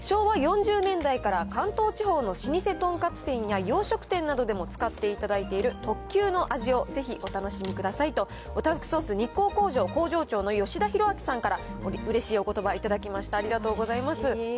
昭和４０年代から、関東地方の老舗とんかつ店や洋食店などでも使っていただいている特級の味を、ぜひお楽しみくださいと、オタフクソース日光工場工場長の吉田裕章さんから、うれしいおことば頂きました、ありがとうございます。